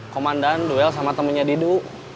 komandan duel sama temennya didu